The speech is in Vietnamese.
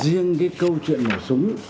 riêng cái câu chuyện nổ súng